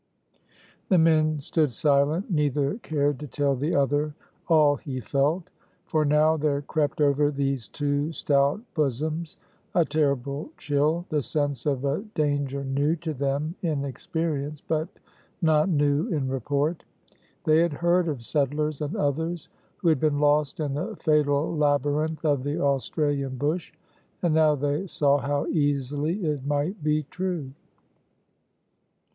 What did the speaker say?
The men stood silent neither cared to tell the other all he felt for now there crept over these two stout bosoms a terrible chill, the sense of a danger new to them in experience, but not new in report. They had heard of settlers and others who had been lost in the fatal labyrinth of the Australian bush, and now they saw how easily it might be true.